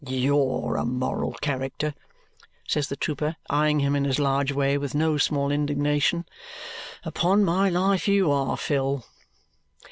YOU'RE a moral character," says the trooper, eyeing him in his large way with no small indignation; "upon my life you are, Phil!"